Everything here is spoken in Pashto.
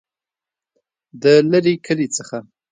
دلیري کلي څخه